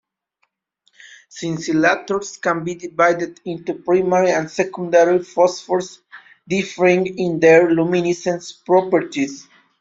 Scintillators can be divided into primary and secondary phosphors, differing in their luminescence properties.